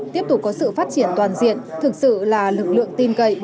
tiếp tục có sự phát triển toàn diện thực sự là lực lượng tin cậy